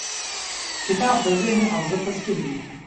کتاب د ذهن او زړه تسکین دی.